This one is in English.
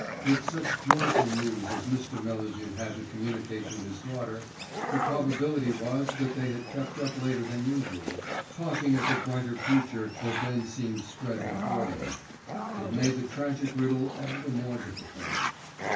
With such joyful news as Mr. Melladew had to communicate to his daughter, the probability was that they had kept up later than usual, talking of the brighter future that then seemed spread before them. It made the tragic riddle all the more difficult.